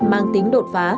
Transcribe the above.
mang tính đột phá